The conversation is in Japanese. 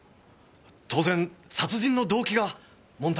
当然殺人の動機が問題になりますが。